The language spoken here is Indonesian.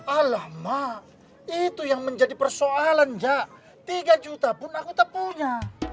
allah ma itu yang menjadi persoalan jak tiga juta pun aku tak punya